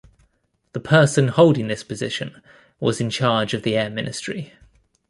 The person holding this position was in charge of the Air Ministry.